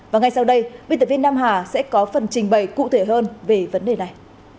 và ngay sau đây biên tập viên nam hà sẽ có phần trình bày cụ thể hơn về vấn đề này